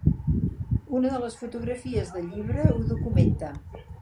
Una de les fotografies del llibre ho documenta.